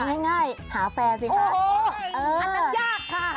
เอาง่ายหาแฟนสิคะ